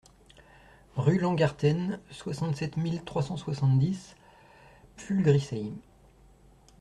Rue Langgarten, soixante-sept mille trois cent soixante-dix Pfulgriesheim